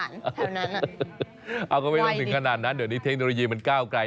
เอาก็ไม่ต้องถึงขนาดนั้นเดี๋ยวนี้เทคโนโลยีมันก้าวไกล